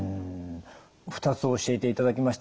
２つ教えていただきました。